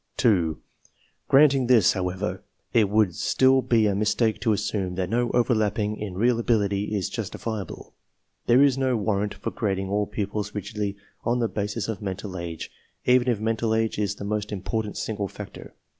(2) Granting this, however, it would still be a mis take to assume that no overlapping in real ability is jus tifiable. There is no warrant for grading all pupils , rigidly on the basis of mental age, even if mental age is the most important single factor.